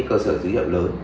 cơ sở dữ liệu lớn